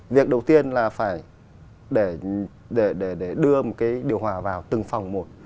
việc đầu tiên là phải để đưa một cái điều hòa vào từng phòng một